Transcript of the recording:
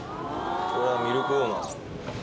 これはミルクウォーマー。